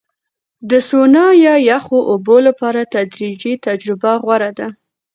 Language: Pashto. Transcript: د سونا یا یخو اوبو لپاره تدریجي تجربه غوره ده.